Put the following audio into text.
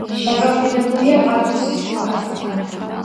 დაკავშირებულია პატუსის ტბასთან.